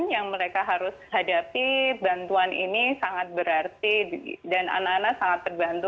yang mereka harus hadapi bantuan ini sangat berarti dan anak anak sangat terbantu